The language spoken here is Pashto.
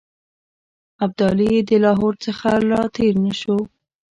ابدالي د لاهور څخه را تېر نه شو.